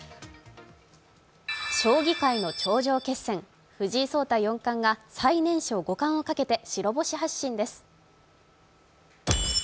将棋界の頂上決戦、藤井聡太四冠が最年少五冠をかけて白星発進です。